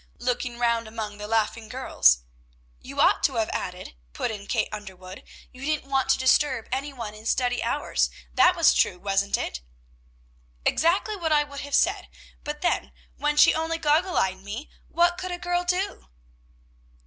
looking round among the laughing girls. "And you ought to have added," put in Kate Underwood, "you didn't want to disturb any one in study hours; that was true, wasn't it?" "Exactly what I would have said; but then, when she only goggle eyed me, what could a girl do?"